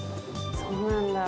そうなんだ。